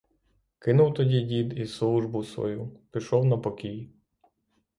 Кинув тоді дід і службу свою — пішов на покій.